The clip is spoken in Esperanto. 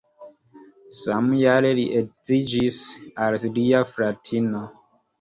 Samjare li edziĝis al lia fratino.